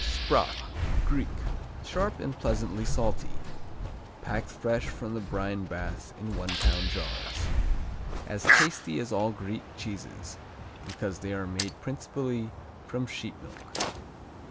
Spra Greek Sharp and pleasantly salty, packed fresh from the brine bath in one pound jars. As tasty as all Greek cheeses because they are made principally from sheep milk.